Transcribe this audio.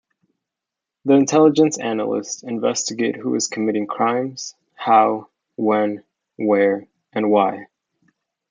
The Intelligence analysts investigate who is committing crimes, how, when, where and why.